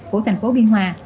của thành phố biên hòa